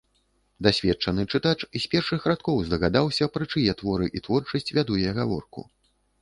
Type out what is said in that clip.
Дасведчаны чытач з першых радкоў здагадаўся, пры чые творы і творчасць вяду я гаворку.